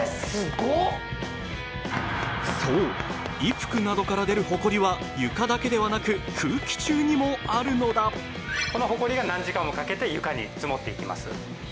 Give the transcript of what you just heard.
ごっそう衣服などから出るホコリは床だけではなく空気中にもあるのだこのホコリが何時間もかけて床に積もっていきます